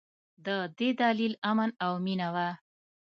د دې دلیل امن او مینه وه.